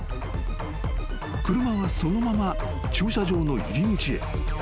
車はそのまま駐車場の入り口へ］